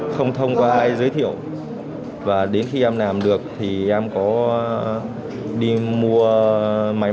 không thông qua ai giới thiệu và đến khi em làm được thì em có đi mua máy móc ở trên mạng về